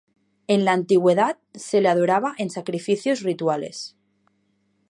En la antigüedad se le adoraba en sacrificios rituales.